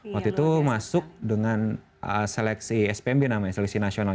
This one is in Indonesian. waktu itu masuk dengan seleksi spmb namanya seleksi nasional